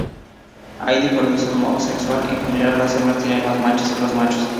Hay dimorfismo sexual; en general las hembras tienen más manchas que los machos.